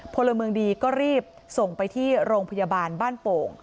พลเมืองดีก็รีบส่งไปที่โรงพยาบาลบ้านโป่ง